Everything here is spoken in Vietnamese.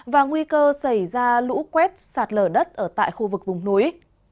và nguy cơ xảy ra lũ quét sạt lở đất ở tại khu vực vùng núi